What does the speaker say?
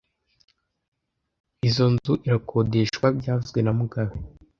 Izoi nzu irakodeshwa byavuzwe na mugabe